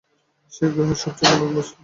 সে গ্রহের সবচেয়ে মূল্যবান বস্তু।